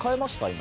今。